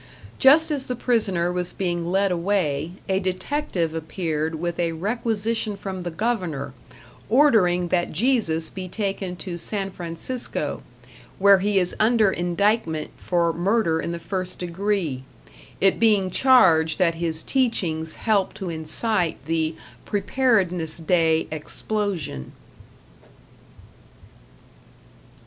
Just as the prisoner was being led away, a detective appeared with a requisition from the Governor, ordering that Jesus be taken to San Francisco, where he is under indictment for murder in the first degree, it being charged that his teachings helped to incite the Preparedness Day explosion.